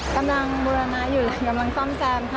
กำลังบูรณะอยู่เลยกำลังซ่อมแซมค่ะ